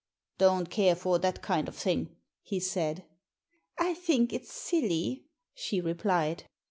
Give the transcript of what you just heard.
Don't care for that kind of thing," he said. " I think it's silly," she replied.